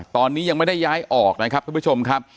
ตอนนี้ยังไม่ได้ย้ายออกนะครับทุกผู้ชมครับ